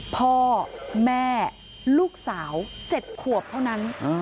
พ่อแม่ลูกสาว๗ขวบเท่านั้น